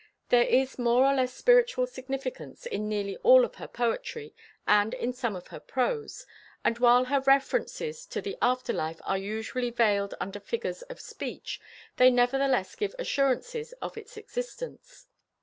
There is more or less spiritual significance in nearly all of her poetry and in some of her prose, and while her references to the after life are usually veiled under figures of speech, they nevertheless give assurances of its existence.